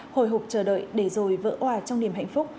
hồi hộp chờ đợi để rồi vỡ hòa trong niềm hạnh phúc